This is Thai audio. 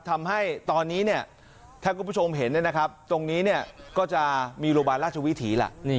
ทำให้ตอนนี้ถ้าคุณผู้ชมเห็นตรงนี้ก็จะมีโรงพยาบาลราชวิถีล่ะ